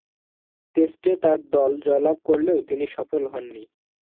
টেস্টে তার দল জয়লাভ করলেও তিনি সফল হননি।